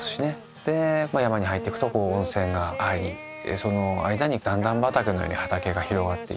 で山に入っていくと温泉がありその間に段々畑のように畑が広がっていて。